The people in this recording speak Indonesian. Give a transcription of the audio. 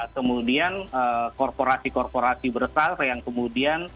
kemudian korporasi korporasi besar yang kemudian